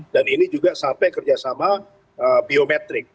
dan ini juga sampai kerjasama biometrik